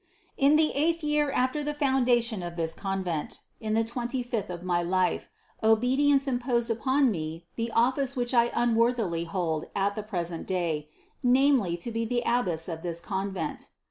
5 In the eighth year after the foundation of this con vent, in the twenty fifth of my life, obedience imposed upon me the office which I unworthily hold at the pres 6 INTRODUCTION ent day, namely to be the abbess of this convent.